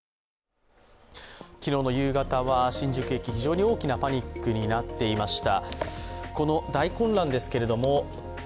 昨日の夕方は新宿駅、非常に大きなパニックになっていました。